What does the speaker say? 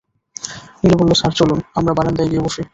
নীলু বলল, স্যার চলুন, আমরা বারান্দায় গিয়ে বসি।